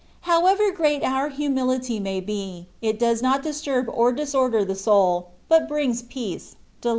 However great our humility may be, it does not disturb or disorder the soid, but brings peace, delight.